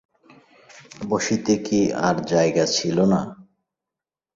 বসিতে কি আর জায়গা ছিল না।